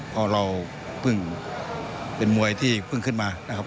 เพราะเราเพิ่งเป็นมวยที่เพิ่งขึ้นมานะครับ